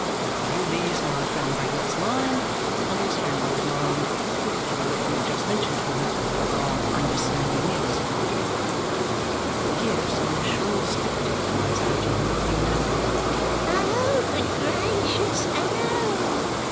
And you'll ease my friend Bagnet's mind, and his family's mind, a good deal if you'll just mention to him what our understanding is." Here some shrill spectre cries out in a mocking manner, "Oh, good gracious! Oh!"